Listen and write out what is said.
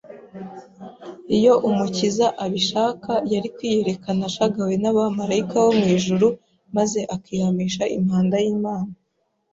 iyo Umukiza abishaka yari kwiyerekana ashagawe n'abamaraika bo mu ijuru maze akihamisha impanda y'Imana